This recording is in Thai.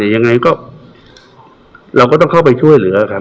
ยังไงก็เราก็ต้องเข้าไปช่วยเหลือครับ